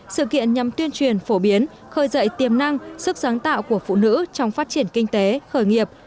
sự kiện nhằm tuyên truyền phổ biến khơi dậy tiềm năng sức sáng tạo của phụ nữ trong phát triển kinh tế khởi nghiệp